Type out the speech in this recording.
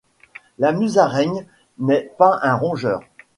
La musaraigne n'est pas un rongeur